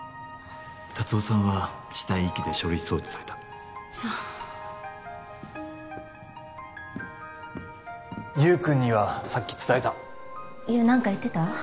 達雄さんは死体遺棄で書類送致されたそう優君にはさっき伝えた優何か言ってた？